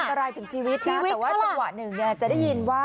อะไรถึงชีวิตนะแต่ว่าจังหวะหนึ่งจะได้ยินว่า